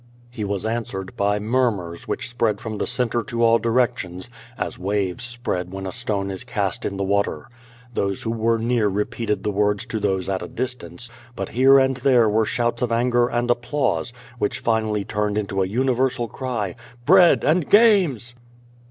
He was answered by murmurs which spread from the cen tre to all directions, as waves spread when a stone is cast in the water. Those who were near repeated the words to those at a distance, but here and there were shouts of anger and applause, which finally turned into a universal cry, "Bread and games!"